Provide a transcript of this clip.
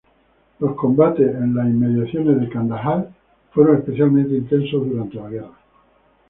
Los combates en las inmediaciones de Kandahar fueron especialmente intensos durante la guerra.